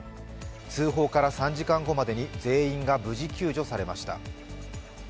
通報から３時間後までに全員が無事救助されました。